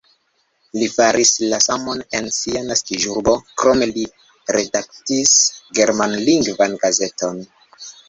Li faris la samon en sia naskiĝurbo, krome li redaktis germanlingvan gazeton.